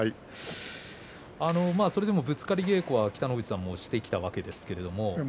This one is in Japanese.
それでもぶつかり稽古は北の富士さんもしてきたわけです。